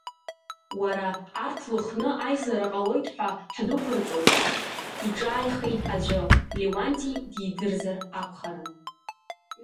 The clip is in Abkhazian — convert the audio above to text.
Уара, арҭ Лыхны аизара ҟалоит ҳәа ҳдәықәырҵоит, иҿааихеит аӡәы, Леуанти дидырзар акәхарын.